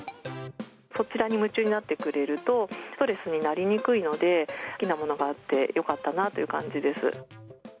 そちらに夢中になってくれると、ストレスになりにくいので、好きなものがあって、よかったなという感じです。